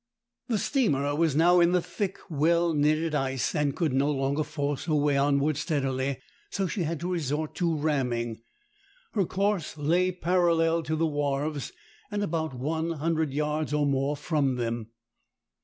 The steamer was now in the thick, well knitted ice, and could no longer force her way onward steadily, so she had to resort to ramming. Her course lay parallel to the wharves, and about one hundred yards or more from them.